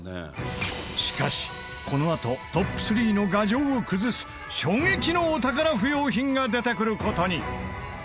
しかしこのあとトップ３の牙城を崩す衝撃のお宝不要品が出てくる事に！